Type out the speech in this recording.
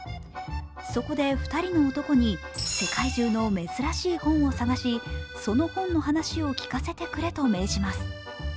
そこで、２人の男に世界中の「めずらしい本」を探しその本の話を聞かせてくれと命じます。